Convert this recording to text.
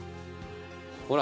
ほら。